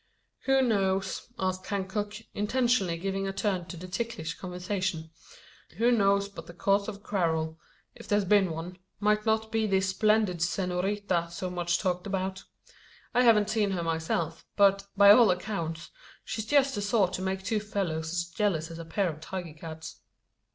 "Who knows?" asked Hancock, intentionally giving a turn to the ticklish conversation. "Who knows but the cause of quarrel if there's been one might not be this splendid senorita so much talked about? I haven't seen her myself; but, by all accounts, she's just the sort to make two fellows as jealous as a pair of tiger cats."